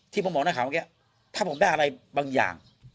ที่ผมบอกนักข่าวเมื่อกี้ถ้าผมได้อะไรบางอย่าง